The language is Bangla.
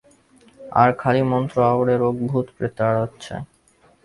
আর খালি মন্ত্র আওড়ে রোগ ভূত প্রেত তাড়াচ্ছে।